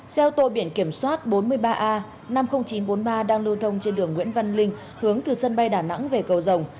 xe ô tô biển kiểm soát bốn mươi ba a năm mươi nghìn chín trăm bốn mươi ba đang lưu thông trên đường nguyễn văn linh hướng từ sân bay đà nẵng về cầu rồng